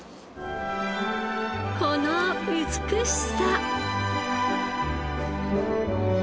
この美しさ！